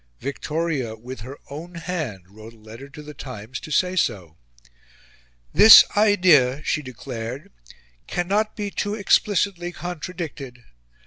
Victoria, with her own hand, wrote a letter to The Times to say so. "This idea," she declared, "cannot be too explicitly contradicted.